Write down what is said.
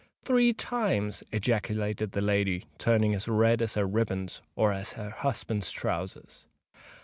"Three times!" ejaculated the lady, turning as red as her ribands or as her husband's trowsers.